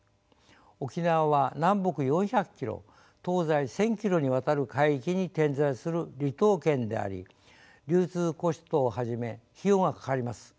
沖縄は南北４００キロ東西１，０００キロにわたる海域に点在する離島県であり流通コストをはじめ費用がかかります。